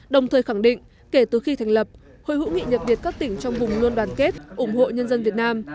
đồng thời khẳng định kể từ khi thành lập hội hữu nghị nhật việt các tỉnh trong vùng luôn đoàn kết ủng hộ nhân dân việt nam